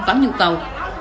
có nhu cầu